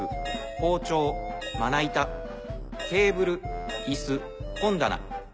包丁まな板テーブル椅子本棚。